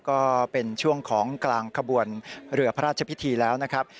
ก็เป็นช่วงของกลางขบวนเรือพระราชพิธีแล้วนะครับ